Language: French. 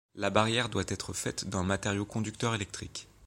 La barrière doit être faite d'un matériau conducteur électrique.